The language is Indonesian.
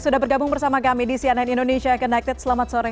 sudah bergabung bersama kami di cnn indonesia connected selamat sore